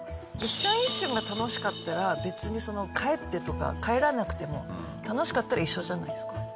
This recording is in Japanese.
一瞬一瞬が楽しかったら別に帰ってとか帰らなくても楽しかったら一緒じゃないですか？